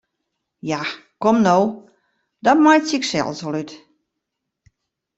Ja, kom no, dat meitsje ik sels wol út!